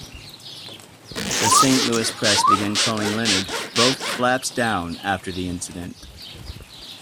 The Saint Louis press began calling Leonard "both flaps down" after the incident.